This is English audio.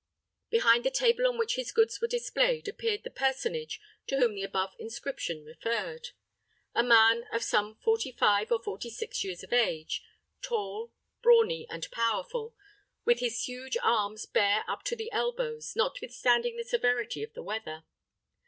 Behind the table on which his goods were displayed appeared the personage to whom the above inscription referred: a man of some forty five or forty six years of age, tall, brawny, and powerful, with his huge arms bare up to the elbows, notwithstanding the severity of the weather.